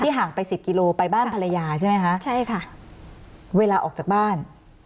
ห่างไปสิบกิโลไปบ้านภรรยาใช่ไหมคะใช่ค่ะเวลาออกจากบ้าน